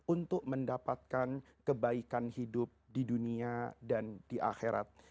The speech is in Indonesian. untuk mendapatkan kebaikan hidup di dunia dan di akhirat